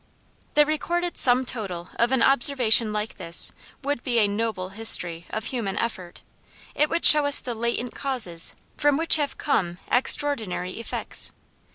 The recorded sum total of an observation like this would be a noble history of human effort. It would show us the latent causes from which have come extraordinary effects.